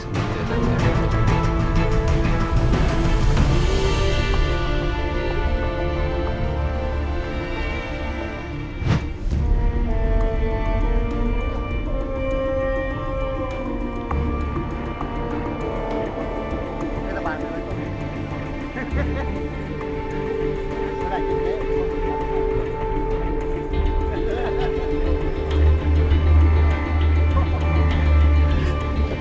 ตอนนี้เจออะไรบ้างครับ